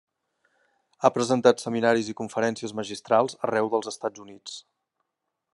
Ha presentat seminaris i conferències magistrals arreu dels Estats Units.